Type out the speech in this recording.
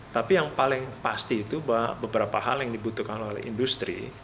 tapi yang paling pasti itu bahwa beberapa hal yang dibutuhkan oleh industri